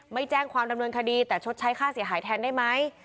ไม่แจ้งความดำเนินคดีแต่ชดใช้ค่าเสียหายแทนได้ไหม